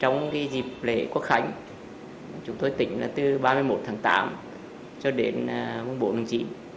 trong dịp lễ quốc khánh chúng tôi tỉnh là từ ba mươi một tháng tám cho đến bốn tháng chín